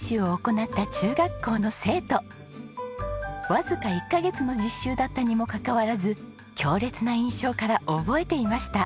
わずか１カ月の実習だったにもかかわらず強烈な印象から覚えていました。